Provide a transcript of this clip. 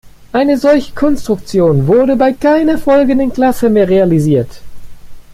Eine solche Konstruktion wurde bei keiner folgenden Klasse mehr realisiert.